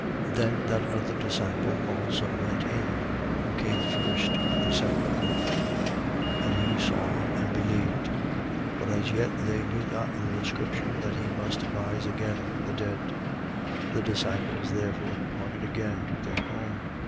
20:8. Then that other disciple also went in, who came first to the sepulchre: and he saw and believed. 20:9. For as yet they knew not the scripture, that he must rise again from the dead. 20:10. The disciples therefore departed again to their home.